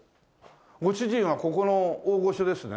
ご主人はここの大御所ですね？